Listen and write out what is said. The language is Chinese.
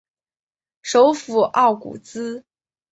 首府奥古兹。